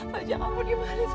pak ejie kamu dimanis